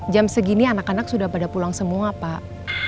jam segini anak anak sudah pada pulang semua pak